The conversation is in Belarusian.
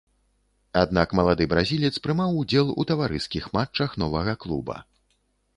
Аднак малады бразілец прымаў удзел у таварыскіх матчах новага клуба.